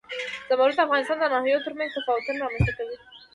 زمرد د افغانستان د ناحیو ترمنځ تفاوتونه رامنځ ته کوي.